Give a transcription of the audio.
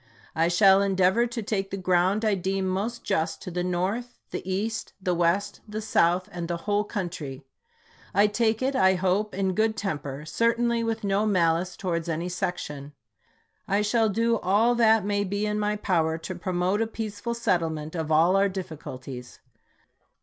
I shall endeavor to take the ground I deem most just to the North, the East, the West, the South, and the whole country. I take it, I hope, in good temper, certainly with no malice towards any section. I shall do all that may be in my power to promote a peace ful settlement of all our difficulties.